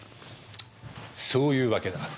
そういうわけだ。